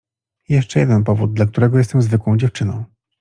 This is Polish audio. Jeszcze jeden powód, dla którego jestem zwykłą dziewczyną.